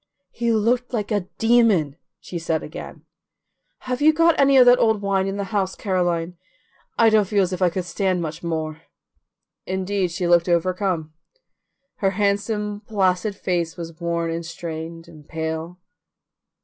"He looked like a demon!" she said again. "Have you got any of that old wine in the house, Caroline? I don't feel as if I could stand much more." Indeed, she looked overcome. Her handsome placid face was worn and strained and pale.